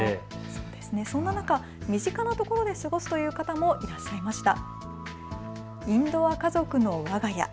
そんな中、身近なところで過ごすという方もいらっしゃいました。